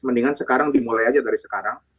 mendingan sekarang dimulai aja dari sekarang